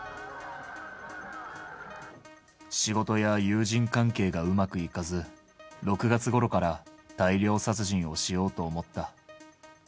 仕事や友人関係がうまくいかず、６月ごろから大量殺人をしようと思った。